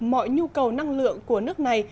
mọi nhu cầu năng lượng của nước này